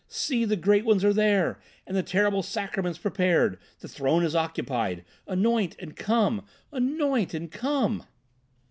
See! the Great Ones are there, and the terrible Sacraments prepared. The Throne is occupied. Anoint and come! Anoint and come!"